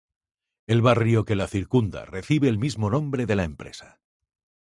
El barrio que la circunda recibe el mismo nombre de la empresa.